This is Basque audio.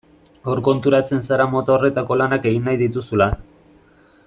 Hor konturatzen zara mota horretako lanak egin nahi dituzula.